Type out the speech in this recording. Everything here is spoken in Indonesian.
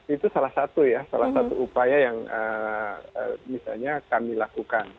itu salah satu ya salah satu upaya yang misalnya kami lakukan